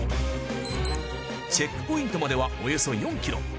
チェックポイントまではおよそ４ｋｍ。